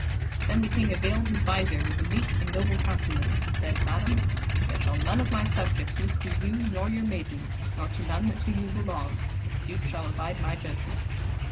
Then the king avaled his visor with a meek and noble countenance, and said, Madam, there shall none of my subjects misdo you nor your maidens, nor to none that to you belong, but the duke shall abide my judgment.